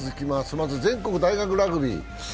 まず全国大学ラグビー。